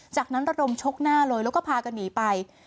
จากนั้นระดมชกหน้าเลยแล้วก็พากันหนีไป